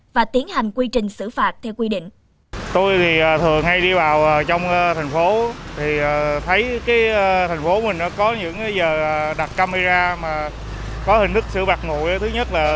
và tiến hành quy trình xử phạt theo quy định